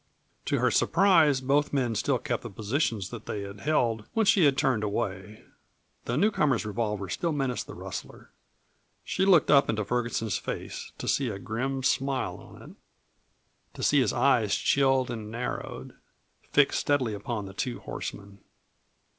To her surprise both men still kept the positions that they had held when she had turned away. The newcomer's revolver still menaced the rustler. She looked up into Ferguson's face, to see a grim smile on it, to see his eyes, chilled and narrowed, fixed steadily upon the two horsemen.